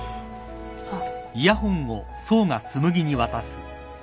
あっ。